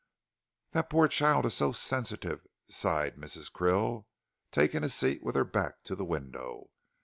"The poor child is so sensitive," sighed Mrs. Krill, taking a seat with her back to the window.